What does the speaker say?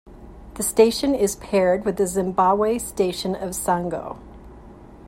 The station is paired with the Zimbabwe station of Sango.